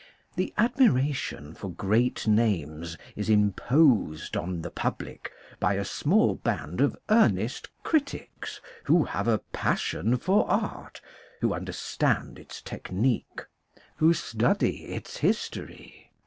The admiration for great names is imposed on the public by a small band of earnest critics who have a passion for art, who understand its technique, who study its history.